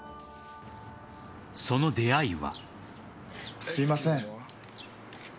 その出会いは。